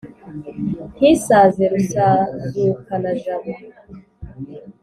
ntisaze rusazukana-jabo.